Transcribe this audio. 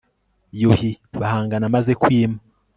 yuhi bahangana amaze kwima